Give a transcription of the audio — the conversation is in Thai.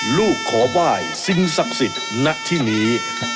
ลูกขอว่ายสิงศักดิ์สิทธิ์นักที่นี้